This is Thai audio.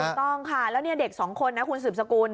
ถูกต้องค่ะแล้วนี่เด็กสองคนคุณสุบสกุล